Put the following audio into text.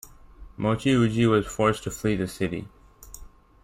Mochiuji was forced to flee the city.